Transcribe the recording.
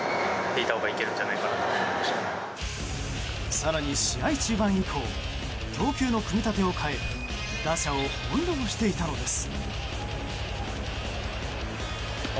更に、試合中盤以降投球の組み立てを変え打者を翻弄していたのです。